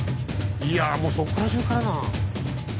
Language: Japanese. いやもうそこらじゅうからな。